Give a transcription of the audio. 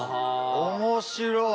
面白い。